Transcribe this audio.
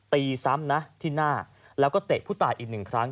ตีซ้ำนะที่หน้าแล้วก็เตะผู้ตายอีกหนึ่งครั้ง